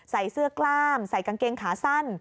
ใส่เสื้อกล้ามใส่กางเกงขาสั้น